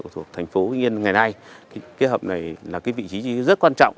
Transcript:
thành phố vĩnh yên ngày nay cái hầm này là cái vị trí rất quan trọng